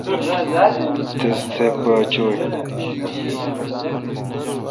تس تھہ پہ چو°ی۔